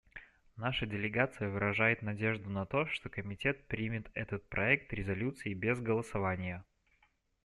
Наша делегация выражает надежду на то, что Комитет примет этот проект резолюции без голосования.